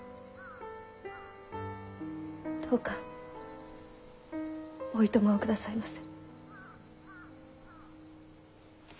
どうかおいとまを下さいませ。